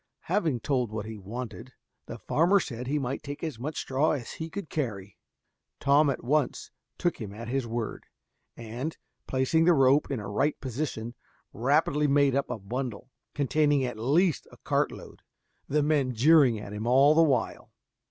Having told what he wanted, the farmer said he might take as much straw as he could carry. Tom at once took him at his word, and, placing the rope in a right position, rapidly made up a bundle containing at least a cartload, the men jeering at him all the while.